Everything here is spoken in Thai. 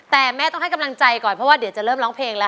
แต่แม่ต้องให้กำลังใจก่อนเพราะว่าเดี๋ยวจะเริ่มร้องเพลงแล้ว